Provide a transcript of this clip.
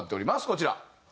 こちら。